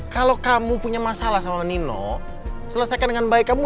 kalau kamu punya masalah sama nino selesaikan dengan baik kamu